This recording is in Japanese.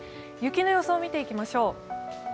雪の予想を見ていきましょう。